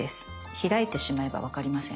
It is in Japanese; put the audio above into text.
開いてしまえば分かりません。